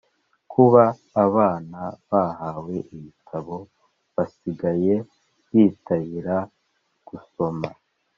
kuba abana bahawe ibitabo basigaye bitabira gusoma